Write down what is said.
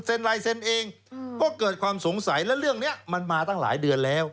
ลายเซ็นต์เองก็เกิดความสงสัยและเรื่องนี้มันมาตั้งหลายเดือนแล้ว